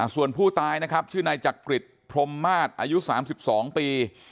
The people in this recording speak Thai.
ส่วนผู้ตายนะครับชื่อนายจักริจพรมมาศอายุ๓๒ปี